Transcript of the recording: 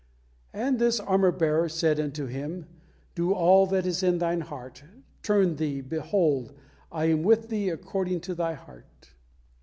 And his armour bearer said unto him: 'Do all that is in thine heart: turn thee, behold I am with thee according to thy heart.'"